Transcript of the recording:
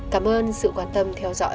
cảm ơn sự quan tâm theo dõi của quý vị